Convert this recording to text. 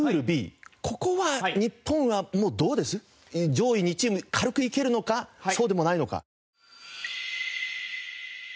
上位２チーム軽くいけるのかそうでもないのか。